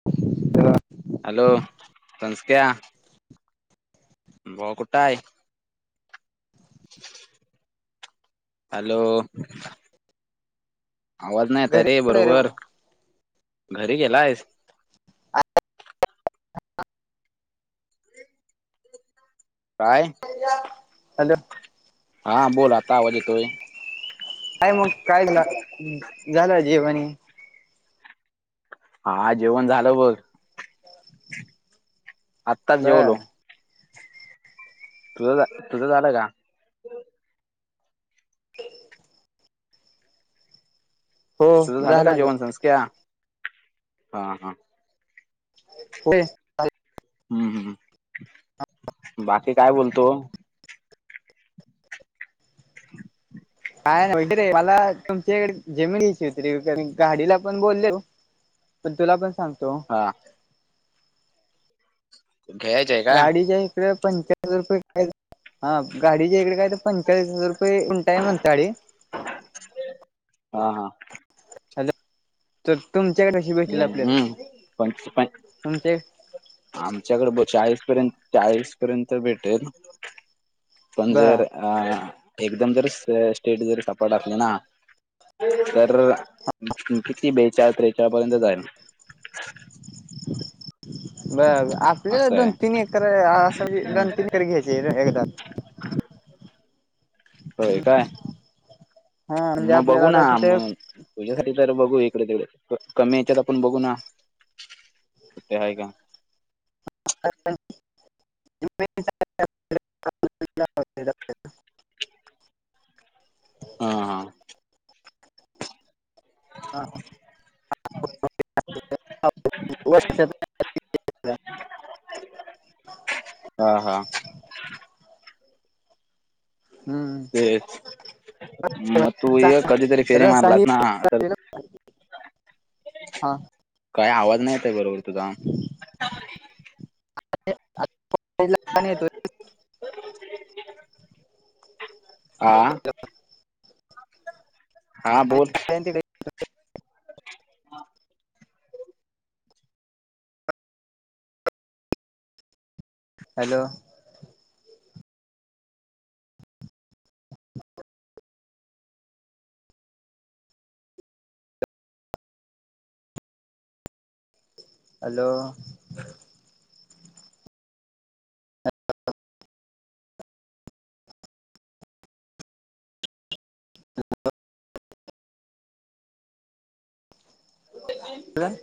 ह. हॅलो संस्क्या. भावा कुठाय? हॅलो! आवाज नाही आता घरी रे आलोय बरोबर भाऊ. घरी गेला आहेस. प [unintelligible] [unintelligible] हा बोल आता आवाजे तोय. काय मग काय झा झालं जेवानी. हा जेवण झालं बघ. आत्ताच बर जेवलो. तुझं तुझं झालं का. ख. हो तुझं झालं का माझं जेवण संस्क्या हा हा. हो. हम्म हम् बाकी काय बोलतो. काय नाही रे मला तुमच्या इकडे जेम घ्यायची होती र गाडीला पण बोलले. पण तुला पण सांगतो. हा. [inaudible] आहे का हा गाडीच्या इकडे पंचास रुपये [unintelligible] हा गाडीचे इकडे काय तर पंचाळीस हजार रुपये उंटय म्हणताडी. हा हा हॅलो तर तुमच्याकडेशी भेटल हम्म आपल्याला हम्म पण पण तुमच्या. आमच्याकडे ब चाळीस पर्यंत -चाळीस पर्यंत भेटेल. पण ब जर अ- एकदम जर स्टेट जरी सापडल असली ना. तर किती बेचाार त्रेचार पर्यंत जाईल. बर आपल्या असं दोन आहे तीन एकर असं म्हजे दोन तीन एकर घ्यायचे एकदा. होय काय? हा म्हणजे मग आपल्याला बघू ना आता तिथे मग. तुझ्यासाठी तर बघू इकडे तिकडे कमी याच्यात आपण बघू ना, कुठे आहे का? [inaudible] हा हा हा हां [inaudible] [unintelligible] [inaudible] हा हा हम्म.. तेच म तू य कधीतरी फेरी रस्ता मारलास ही ना, तर काय आवाज नाही येतय बरोबर तुझा. [unintelligible] येतोय. [inaudible] आा हा बोल. [unintelligible] हॅलो! हॅलो! [inaudible] हॅलो